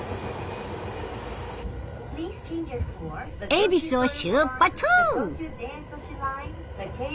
恵比寿を出発！